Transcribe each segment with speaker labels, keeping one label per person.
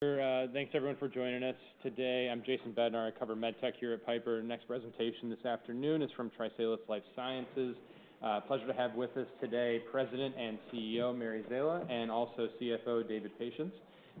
Speaker 1: Thanks, everyone, for joining us today. I'm Jason Bednar. I cover med tech here at Piper. Next presentation this afternoon is from TriSalus Life Sciences. Pleasure to have with us today President and CEO Mary Szela, and also CFO David Patience.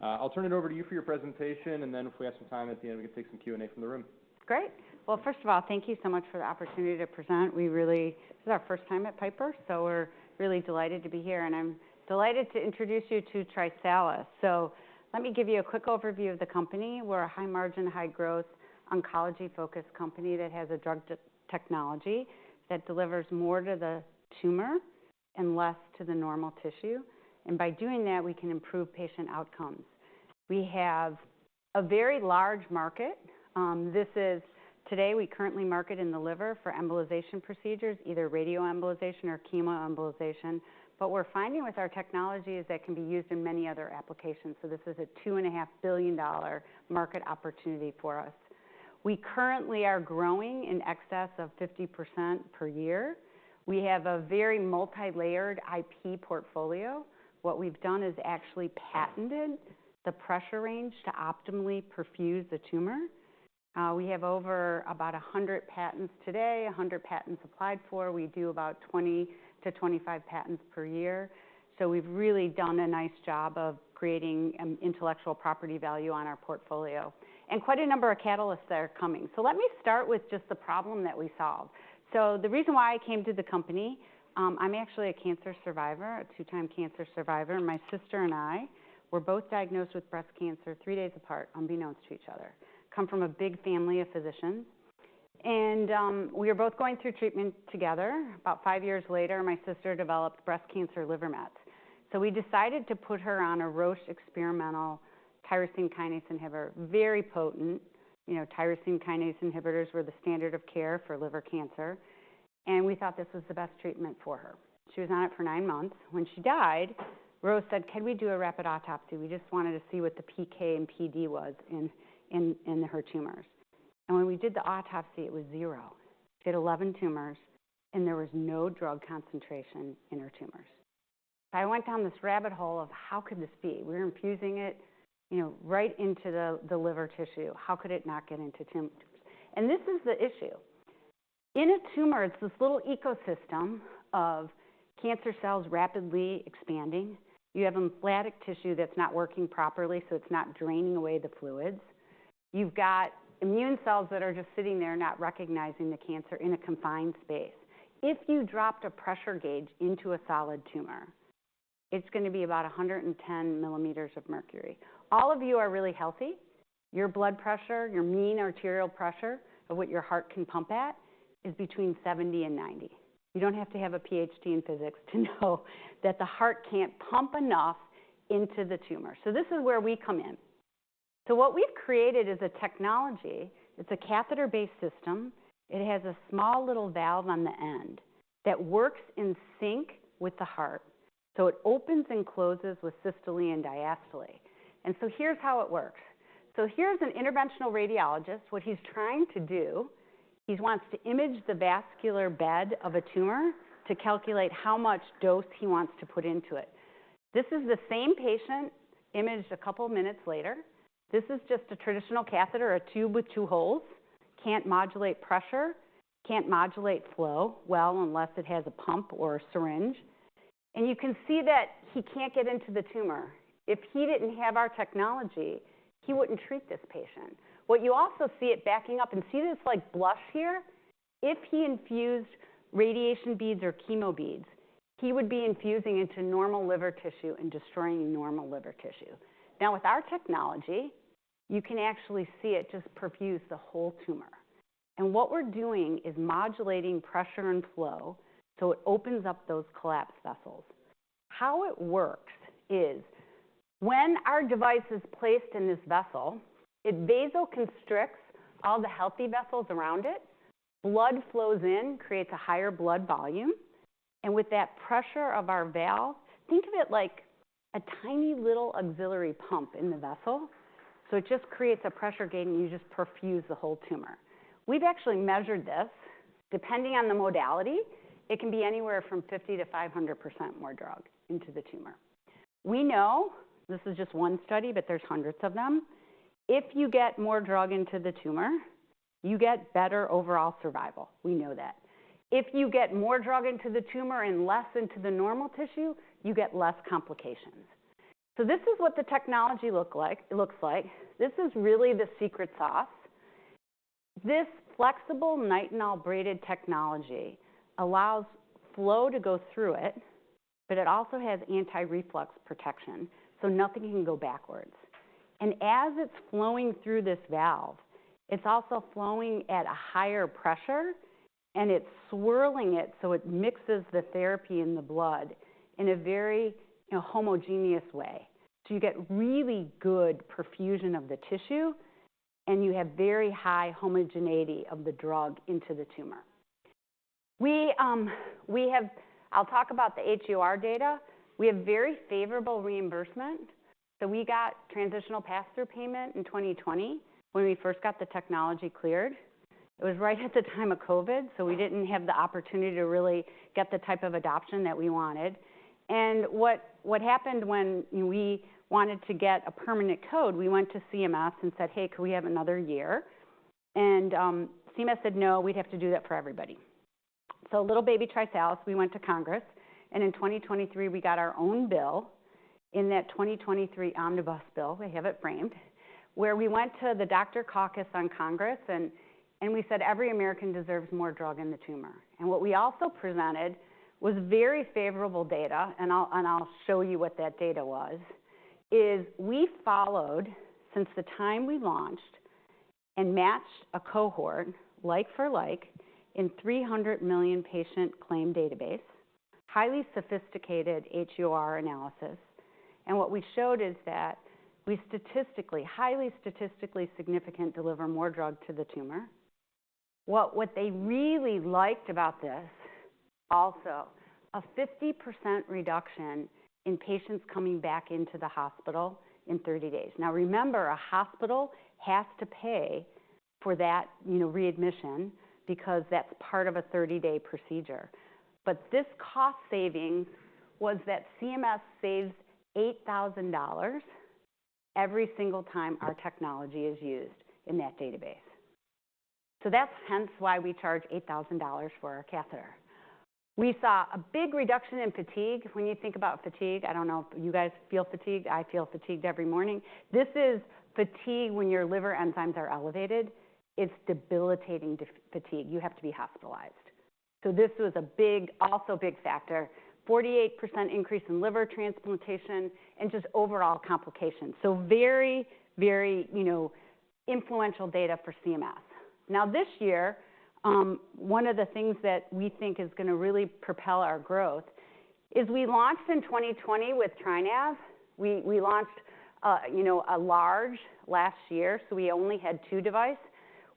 Speaker 1: I'll turn it over to you for your presentation, and then if we have some time at the end, we can take some Q&A from the room.
Speaker 2: Great. Well, first of all, thank you so much for the opportunity to present. This is our first time at Piper, so we're really delighted to be here, and I'm delighted to introduce you to TriSalus. So let me give you a quick overview of the company. We're a high-margin, high-growth oncology-focused company that has a drug technology that delivers more to the tumor and less to the normal tissue. And by doing that, we can improve patient outcomes. We have a very large market. Today, we currently market in the liver for embolization procedures, either radioembolization or chemoembolization. But what we're finding with our technology is that it can be used in many other applications. So this is a $2.5 billion market opportunity for us. We currently are growing in excess of 50% per year. We have a very multi-layered IP portfolio. What we've done is actually patented the pressure range to optimally perfuse the tumor. We have over about 100 patents today, 100 patents applied for. We do about 20-25 patents per year. So we've really done a nice job of creating intellectual property value on our portfolio and quite a number of catalysts that are coming. So let me start with just the problem that we solve. So the reason why I came to the company, I'm actually a cancer survivor, a two-time cancer survivor. My sister and I, we're both diagnosed with breast cancer three days apart, unbeknownst to each other. Come from a big family of physicians. And we were both going through treatment together. About five years later, my sister developed breast cancer liver metastasis. So we decided to put her on a Roche experimental tyrosine kinase inhibitor, very potent. Tyrosine kinase inhibitors were the standard of care for liver cancer. And we thought this was the best treatment for her. She was on it for nine months. When she died, Roche said, "Can we do a rapid autopsy? We just wanted to see what the PK and PD was in her tumors." And when we did the autopsy, it was zero. She had 11 tumors, and there was no drug concentration in her tumors. I went down this rabbit hole of, "How could this be? We're infusing it right into the liver tissue. How could it not get into tumors?" And this is the issue. In a tumor, it's this little ecosystem of cancer cells rapidly expanding. You have edematous tissue that's not working properly, so it's not draining away the fluids. You've got immune cells that are just sitting there not recognizing the cancer in a confined space. If you dropped a pressure gauge into a solid tumor, it's going to be about 110 millimeters of mercury. All of you are really healthy. Your blood pressure, your mean arterial pressure of what your heart can pump at, is between 70 and 90. You don't have to have a PhD in physics to know that the heart can't pump enough into the tumor. So this is where we come in. So what we've created is a technology. It's a catheter-based system. It has a small little valve on the end that works in sync with the heart. So it opens and closes with systole and diastole. And so here's how it works. So here's an interventional radiologist. What he's trying to do, he wants to image the vascular bed of a tumor to calculate how much dose he wants to put into it. This is the same patient imaged a couple of minutes later. This is just a traditional catheter, a tube with two holes. Can't modulate pressure, can't modulate flow well unless it has a pump or a syringe. And you can see that he can't get into the tumor. If he didn't have our technology, he wouldn't treat this patient. What you also see it backing up and see this like blush here, if he infused radiation beads or chemo beads, he would be infusing into normal liver tissue and destroying normal liver tissue. Now, with our technology, you can actually see it just perfuse the whole tumor. And what we're doing is modulating pressure and flow so it opens up those collapsed vessels. How it works is when our device is placed in this vessel, it vasoconstricts all the healthy vessels around it. Blood flows in, creates a higher blood volume, and with that pressure of our valve, think of it like a tiny little auxiliary pump in the vessel, so it just creates a pressure gain, and you just perfuse the whole tumor. We've actually measured this. Depending on the modality, it can be anywhere from 50%-500% more drug into the tumor. We know this is just one study, but there's hundreds of them. If you get more drug into the tumor, you get better overall survival. We know that. If you get more drug into the tumor and less into the normal tissue, you get less complications, so this is what the technology looks like. This is really the secret sauce. This flexible Nitinol braided technology allows flow to go through it, but it also has anti-reflux protection, so nothing can go backwards. And as it's flowing through this valve, it's also flowing at a higher pressure, and it's swirling it so it mixes the therapy in the blood in a very homogeneous way. So you get really good perfusion of the tissue, and you have very high homogeneity of the drug into the tumor. I'll talk about the HEOR data. We have very favorable reimbursement. So we got transitional pass-through payment in 2020 when we first got the technology cleared. It was right at the time of COVID, so we didn't have the opportunity to really get the type of adoption that we wanted. And what happened when we wanted to get a permanent code, we went to CMS and said, "Hey, could we have another year?" And CMS said, "No, we'd have to do that for everybody." So little baby TriSalus, we went to Congress. In 2023, we got our own bill in that 2023 omnibus bill. I have it framed, where we went to the doctor caucus on Congress and we said, "Every American deserves more drug in the tumor." And what we also presented was very favorable data, and I'll show you what that data was, is we followed, since the time we launched, and matched a cohort like-for-like in 300 million patient claim database, highly sophisticated HEOR analysis. And what we showed is that we statistically, highly statistically significant, deliver more drug to the tumor. What they really liked about this also, a 50% reduction in patients coming back into the hospital in 30 days. Now, remember, a hospital has to pay for that readmission because that's part of a 30-day procedure. But this cost savings was that CMS saves $8,000 every single time our technology is used in that database. So that's hence why we charge $8,000 for our catheter. We saw a big reduction in fatigue. When you think about fatigue, I don't know if you guys feel fatigued. I feel fatigued every morning. This is fatigue when your liver enzymes are elevated. It's debilitating fatigue. You have to be hospitalized. So this was also a big factor, 48% increase in liver transplantation and just overall complications. So very, very influential data for CMS. Now, this year, one of the things that we think is going to really propel our growth is we launched in 2020 with TriNav. We launched LV last year, so we only had two devices.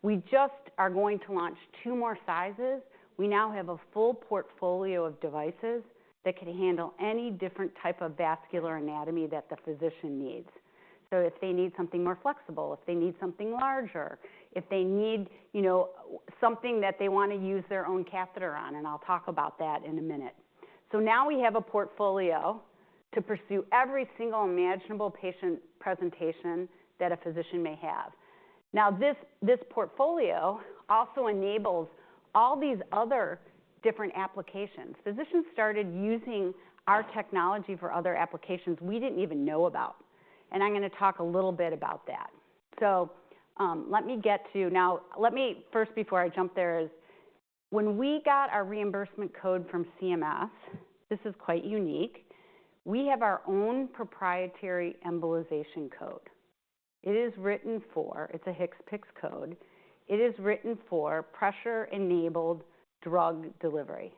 Speaker 2: We just are going to launch two more sizes. We now have a full portfolio of devices that can handle any different type of vascular anatomy that the physician needs. So if they need something more flexible, if they need something larger, if they need something that they want to use their own catheter on, and I'll talk about that in a minute. So now we have a portfolio to pursue every single imaginable patient presentation that a physician may have. Now, this portfolio also enables all these other different applications. Physicians started using our technology for other applications we didn't even know about. And I'm going to talk a little bit about that. So let me get to now. Let me first, before I jump there, [talk about] when we got our reimbursement code from CMS. This is quite unique. We have our own proprietary embolization code. It is written for; it's an HCPCS code. It is written for pressure-enabled drug delivery.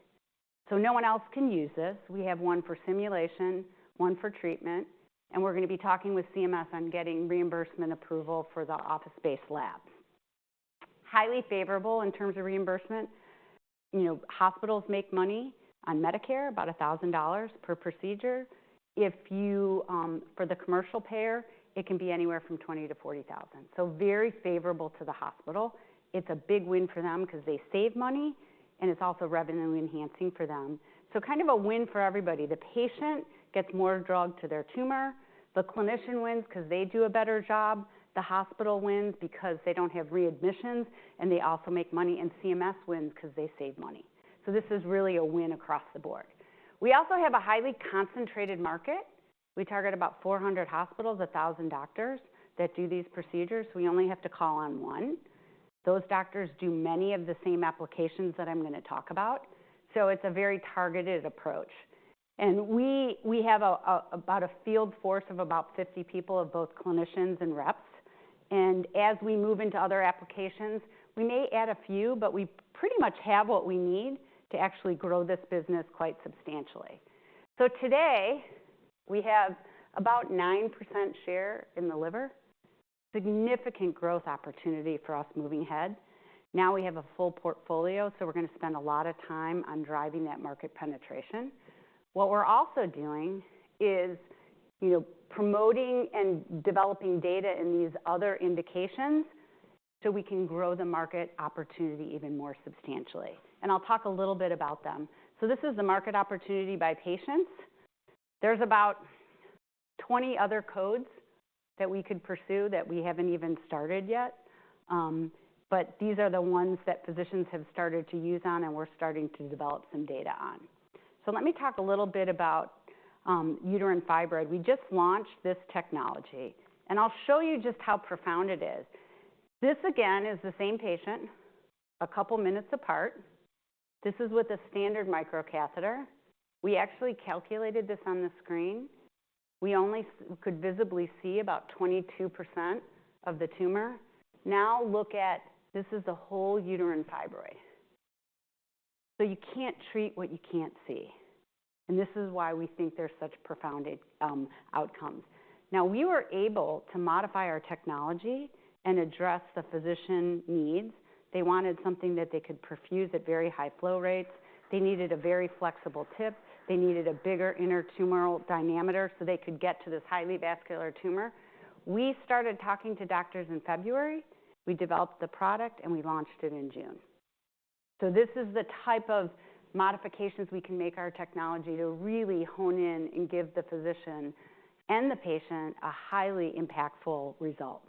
Speaker 2: So no one else can use this. We have one for simulation, one for treatment. We're going to be talking with CMS on getting reimbursement approval for the office-based labs. Highly favorable in terms of reimbursement. Hospitals make money on Medicare, about $1,000 per procedure. For the commercial payer, it can be anywhere from $20,000-$40,000. So very favorable to the hospital. It's a big win for them because they save money, and it's also revenue-enhancing for them. So kind of a win for everybody. The patient gets more drug to their tumor. The clinician wins because they do a better job. The hospital wins because they don't have readmissions, and they also make money. And CMS wins because they save money. So this is really a win across the board. We also have a highly concentrated market. We target about 400 hospitals, 1,000 doctors that do these procedures. We only have to call on one. Those doctors do many of the same applications that I'm going to talk about. So it's a very targeted approach. And we have about a field force of about 50 people, both clinicians and reps. And as we move into other applications, we may add a few, but we pretty much have what we need to actually grow this business quite substantially. So today, we have about a 9% share in the liver. Significant growth opportunity for us moving ahead. Now we have a full portfolio, so we're going to spend a lot of time on driving that market penetration. What we're also doing is promoting and developing data in these other indications so we can grow the market opportunity even more substantially. And I'll talk a little bit about them. So this is the market opportunity by patients. There's about 20 other codes that we could pursue that we haven't even started yet. But these are the ones that physicians have started to use on, and we're starting to develop some data on. So let me talk a little bit about uterine fibroid. We just launched this technology. And I'll show you just how profound it is. This, again, is the same patient a couple of minutes apart. This is with a standard microcatheter. We actually calculated this on the screen. We only could visibly see about 22% of the tumor. Now look at this. This is the whole uterine fibroid. So you can't treat what you can't see. And this is why we think there's such profound outcomes. Now, we were able to modify our technology and address the physician needs. They wanted something that they could perfuse at very high flow rates. They needed a very flexible tip. They needed a bigger inner luminal diameter so they could get to this highly vascular tumor. We started talking to doctors in February. We developed the product, and we launched it in June. So this is the type of modifications we can make our technology to really hone in and give the physician and the patient a highly impactful result.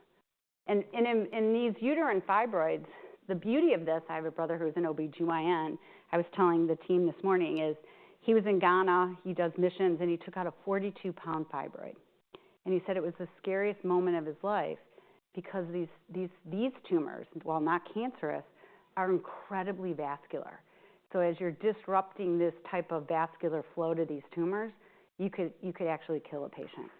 Speaker 2: And in these Uterine Fibroids, the beauty of this, I have a brother who's an OBGYN. I was telling the team this morning, he was in Ghana. He does missions, and he took out a 42-pound fibroid. And he said it was the scariest moment of his life because these tumors, while not cancerous, are incredibly vascular. So as you're disrupting this type of vascular flow to these tumors, you could actually kill a patient.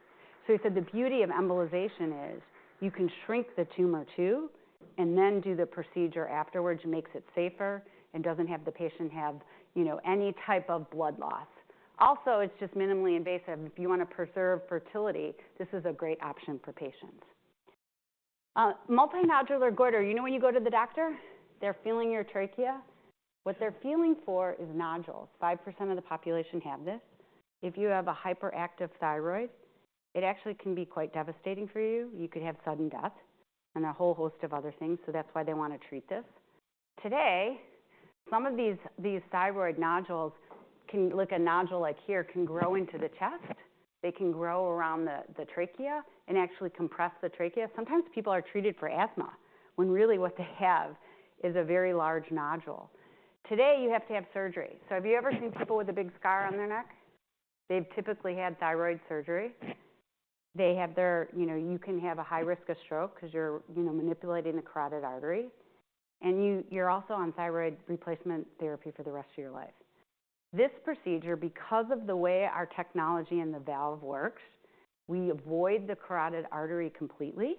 Speaker 2: So he said the beauty of embolization is you can shrink the tumor too and then do the procedure afterwards. It makes it safer and doesn't have the patient have any type of blood loss. Also, it's just minimally invasive. If you want to preserve fertility, this is a great option for patients. Multinodular Goiter. You know when you go to the doctor, they're feeling your trachea? What they're feeling for is nodules. 5% of the population have this. If you have a hyperactive thyroid, it actually can be quite devastating for you. You could have sudden death and a whole host of other things. So that's why they want to treat this. Today, some of these thyroid nodules can look a nodule like here can grow into the chest. They can grow around the trachea and actually compress the trachea. Sometimes people are treated for asthma when really what they have is a very large nodule. Today, you have to have surgery, so have you ever seen people with a big scar on their neck? They've typically had thyroid surgery. You can have a high risk of stroke because you're manipulating the carotid artery, and you're also on thyroid replacement therapy for the rest of your life. This procedure, because of the way our technology and the valve works, we avoid the carotid artery completely.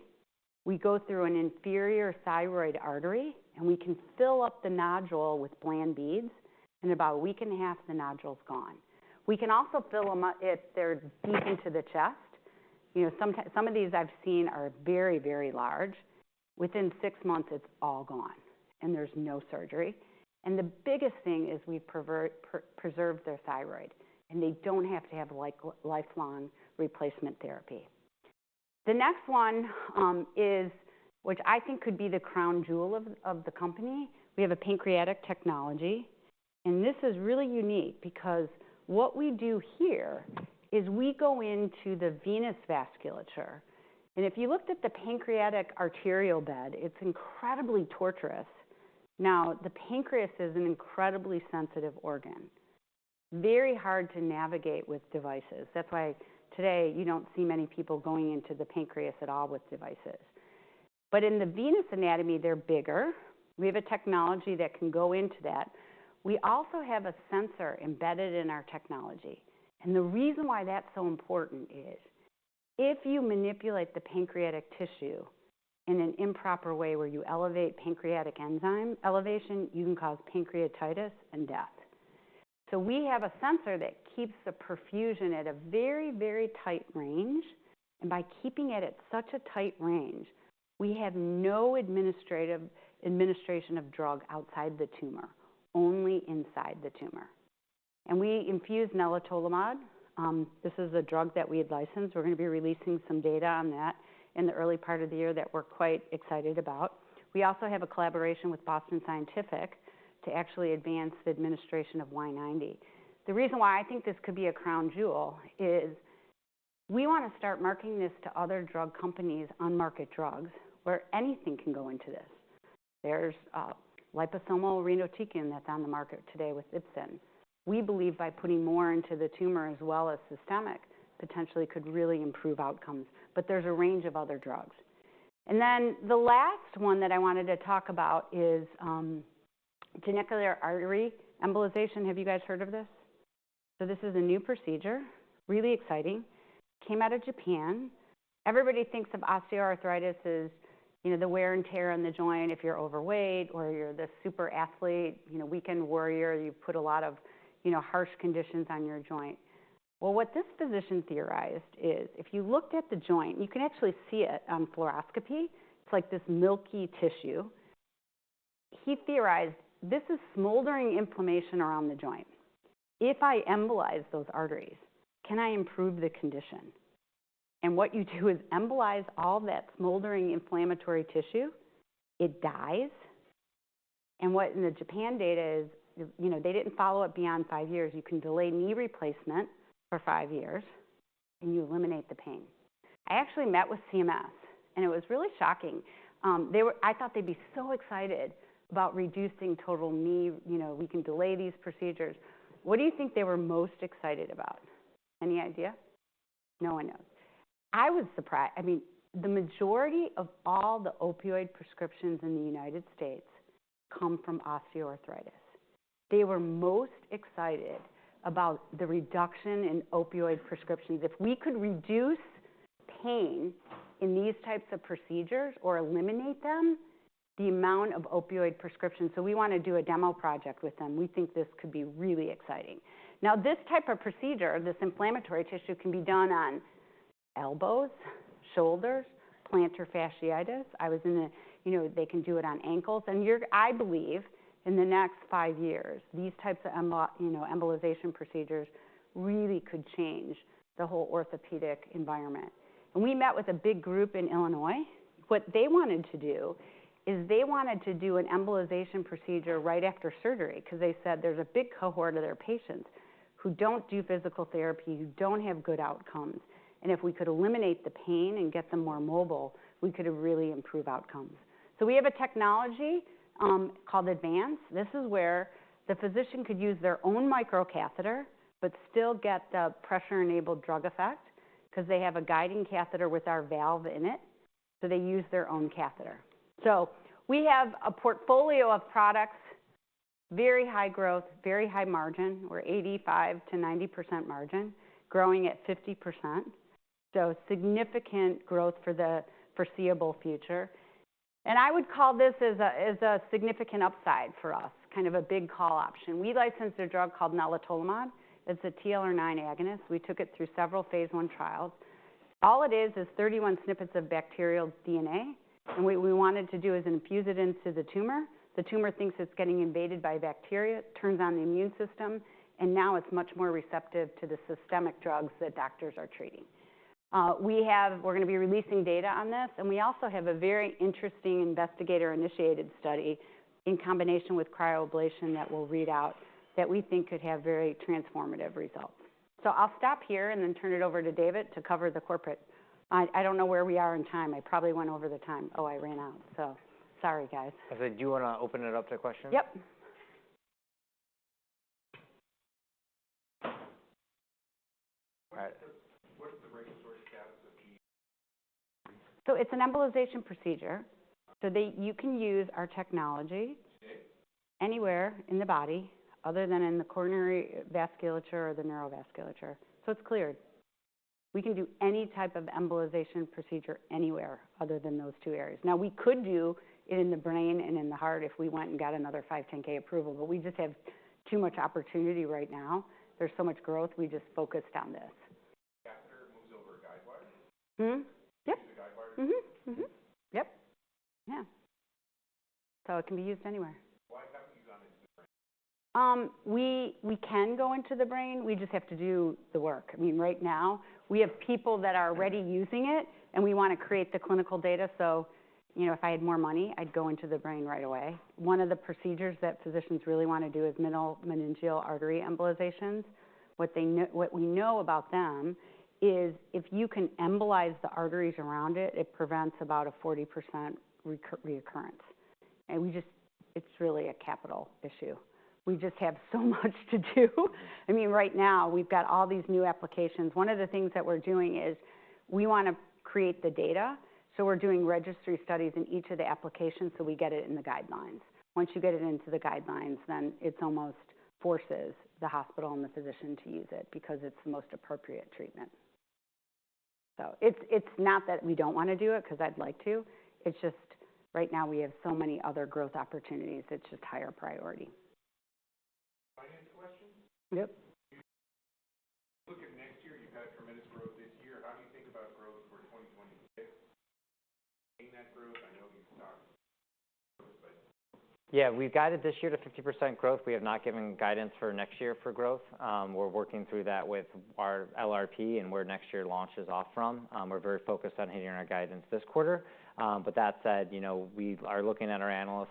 Speaker 2: We go through an inferior thyroid artery, and we can fill up the nodule with bland beads. In about a week and a half, the nodule's gone. We can also fill them up if they're deep into the chest. Some of these I've seen are very, very large. Within six months, it's all gone, and there's no surgery. The biggest thing is we've preserved their thyroid, and they don't have to have lifelong replacement therapy. The next one is which I think could be the crown jewel of the company. We have a pancreatic technology. This is really unique because what we do here is we go into the venous vasculature. If you looked at the pancreatic arterial bed, it's incredibly tortuous. Now, the pancreas is an incredibly sensitive organ. Very hard to navigate with devices. That's why today you don't see many people going into the pancreas at all with devices. But in the venous anatomy, they're bigger. We have a technology that can go into that. We also have a sensor embedded in our technology. And the reason why that's so important is if you manipulate the pancreatic tissue in an improper way where you elevate pancreatic enzyme elevation, you can cause pancreatitis and death. So we have a sensor that keeps the perfusion at a very, very tight range. And by keeping it at such a tight range, we have no administration of drug outside the tumor, only inside the tumor. And we infuse nelitolimod. This is a drug that we had licensed. We're going to be releasing some data on that in the early part of the year that we're quite excited about. We also have a collaboration with Boston Scientific to actually advance the administration of Y90. The reason why I think this could be a crown jewel is we want to start marketing this to other drug companies on market drugs where anything can go into this. There's liposomal irinotecan that's on the market today with Ipsen. We believe by putting more into the tumor as well as systemic, potentially could really improve outcomes. But there's a range of other drugs. And then the last one that I wanted to talk about is genicular artery embolization. Have you guys heard of this? So this is a new procedure, really exciting. Came out of Japan. Everybody thinks of osteoarthritis as the wear and tear on the joint if you're overweight or you're the super athlete, weekend warrior. You put a lot of harsh conditions on your joint. Well, what this physician theorized is if you looked at the joint, you can actually see it on fluoroscopy. It's like this milky tissue. He theorized this is smoldering inflammation around the joint. If I embolize those arteries, can I improve the condition? And what you do is embolize all that smoldering inflammatory tissue. It dies. And what in the Japan data is they didn't follow it beyond five years. You can delay knee replacement for five years, and you eliminate the pain. I actually met with CMS, and it was really shocking. I thought they'd be so excited about reducing total knee. We can delay these procedures. What do you think they were most excited about? Any idea? No one knows. I mean, the majority of all the opioid prescriptions in the United States come from osteoarthritis. They were most excited about the reduction in opioid prescriptions. If we could reduce pain in these types of procedures or eliminate them, the amount of opioid prescriptions. So we want to do a demo project with them. We think this could be really exciting. Now, this type of procedure, this inflammatory tissue can be done on elbows, shoulders, plantar fasciitis. They can do it on ankles. I believe in the next five years, these types of embolization procedures really could change the whole orthopedic environment. We met with a big group in Illinois. What they wanted to do is they wanted to do an embolization procedure right after surgery because they said there's a big cohort of their patients who don't do physical therapy, who don't have good outcomes. If we could eliminate the pain and get them more mobile, we could really improve outcomes. We have a technology called Advance. This is where the physician could use their own microcatheter but still get the pressure-enabled drug delivery because they have a guiding catheter with our valve in it. They use their own catheter. So we have a portfolio of products, very high growth, very high margin. We're 85% to 90% margin, growing at 50%. So significant growth for the foreseeable future. And I would call this as a significant upside for us, kind of a big call option. We licensed a drug called nelitolimod. It's a TLR9 agonist. We took it through several phase one trials. All it is is 31 snippets of bacterial DNA. And what we wanted to do is infuse it into the tumor. The tumor thinks it's getting invaded by bacteria. It turns on the immune system. And now it's much more receptive to the systemic drugs that doctors are treating. We're going to be releasing data on this. And we also have a very interesting investigator-initiated study in combination with cryoablation that we'll read out that we think could have very transformative results. So I'll stop here and then turn it over to David to cover the corporate. I don't know where we are in time. I probably went over the time. Oh, I ran out. So sorry, guys.
Speaker 3: I said, do you want to open it up to questions?
Speaker 2: Yep.
Speaker 1: What's the breaking source status of?
Speaker 2: It's an embolization procedure. You can use our technology anywhere in the body other than in the coronary vasculature or the neurovasculature. It's cleared. We can do any type of embolization procedure anywhere other than those two areas. Now, we could do it in the brain and in the heart if we went and got another 510(k) approval. But we just have too much opportunity right now. There's so much growth. We just focused on this.
Speaker 1: Catheter moves over a guidewire?
Speaker 2: Yep.
Speaker 1: Is it a guidewire?
Speaker 2: Yep. Yeah. So it can be used anywhere.
Speaker 1: Why haven't you gone into the brain?
Speaker 2: We can go into the brain. We just have to do the work. I mean, right now, we have people that are already using it, and we want to create the clinical data. So if I had more money, I'd go into the brain right away. One of the procedures that physicians really want to do is middle meningeal artery embolizations. What we know about them is if you can embolize the arteries around it, it prevents about a 40% recurrence. And it's really a capital issue. We just have so much to do. I mean, right now, we've got all these new applications. One of the things that we're doing is we want to create the data. So we're doing registry studies in each of the applications so we get it in the guidelines. Once you get it into the guidelines, then it almost forces the hospital and the physician to use it because it's the most appropriate treatment. So it's not that we don't want to do it because I'd like to. It's just right now, we have so many other growth opportunities. It's just higher priority.
Speaker 1: Finance questions?
Speaker 3: Yep.
Speaker 1: you look at next year. You've got tremendous growth this year. How do you think about growth for 2026? And that growth. I know you've talked about growth, but.
Speaker 3: Yeah. We've guided this year to 50% growth. We have not given guidance for next year for growth. We're working through that with our LRP and where next year launches off from. We're very focused on hitting our guidance this quarter. But that said, we are looking at our analysts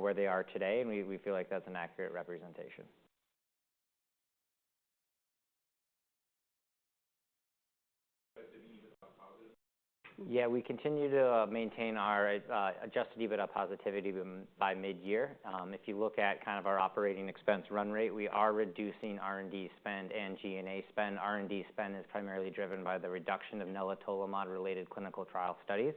Speaker 3: where they are today, and we feel like that's an accurate representation.
Speaker 1: But do we need to talk positive?
Speaker 3: Yeah. We continue to maintain our Adjusted EBITDA positivity by mid-year. If you look at kind of our operating expense run rate, we are reducing R&D spend and G&A spend. R&D spend is primarily driven by the reduction of nelitolimod-related clinical trial studies.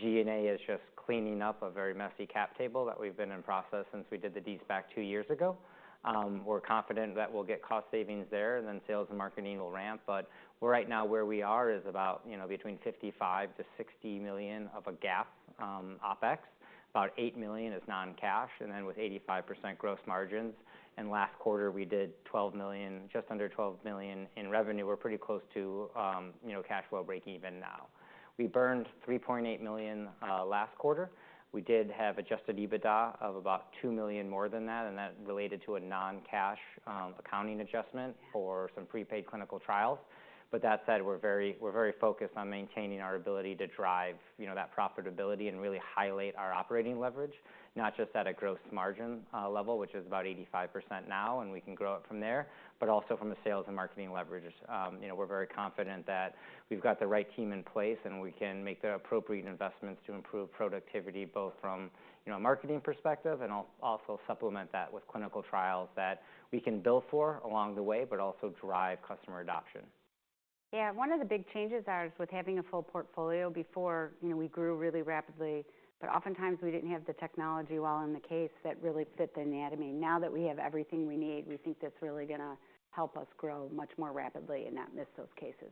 Speaker 3: G&A is just cleaning up a very messy cap table that we've been in process since we did the dSPAC two years ago. We're confident that we'll get cost savings there, and then sales and marketing will ramp. But right now, where we are is about between $55 and $60 million of a gap OpEx. About $8 million is non-cash. And then with 85% gross margins, and last quarter, we did $12 million, just under $12 million in revenue. We're pretty close to cash flow break-even now. We burned $3.8 million last quarter. We did have Adjusted EBITDA of about $2 million more than that. And that related to a non-cash accounting adjustment for some prepaid clinical trials. But that said, we're very focused on maintaining our ability to drive that profitability and really highlight our operating leverage, not just at a gross margin level, which is about 85% now, and we can grow it from there, but also from a sales and marketing leverage. We're very confident that we've got the right team in place, and we can make the appropriate investments to improve productivity both from a marketing perspective and also supplement that with clinical trials that we can bill for along the way, but also drive customer adoption.
Speaker 2: Yeah. One of the big changes is with having a full portfolio. Before, we grew really rapidly, but oftentimes, we didn't have the technology while in the cases that really fit the anatomy. Now that we have everything we need, we think that's really going to help us grow much more rapidly and not miss those cases.